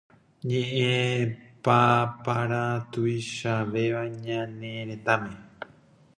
ñe'ẽpapára tuichavéva ñane retãme